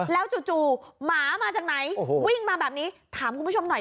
แล้วจู่หมามาจากไหนวิ่งมาแบบนี้ถามคุณผู้ชมหน่อย